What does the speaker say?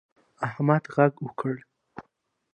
احمد غږ وکړ.